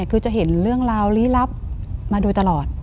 คือจะเห็นเรื่องราวลี้ลับมาโดยตลอด